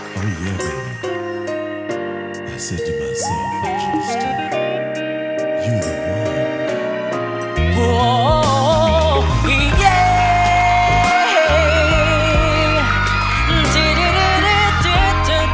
แค่คิดจะอยู่ไหน